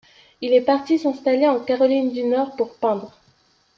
Il est parti s'installer en Caroline du Nord pour peindre.